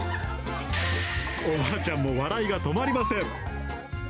おばあちゃんも笑いが止まりません。